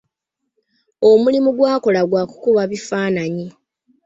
Omulimu gw'akola gwa kukuba bifaananyi.